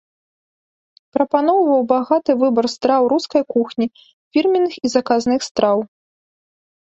Прапаноўваў багаты выбар страў рускай кухні, фірменных і заказных страў.